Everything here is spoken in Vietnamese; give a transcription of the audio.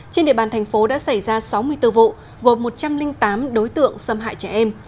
trên địa bàn thành phố đã xảy ra sáu mươi bốn vụ gồm một trăm linh tám đối tượng xâm hại trẻ em